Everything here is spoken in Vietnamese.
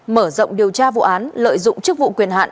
mở rộng điều tra vụ án lợi dụng chức vụ quyền hạn